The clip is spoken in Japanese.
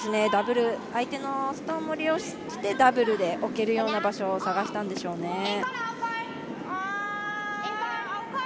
相手のストーンも利用してダブルで置けるような場所を探したんでしょうね。